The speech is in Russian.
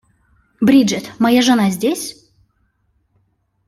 Бриджит, моя жена здесь?